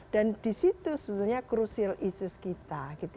dan di situ sebenarnya krusial isu kita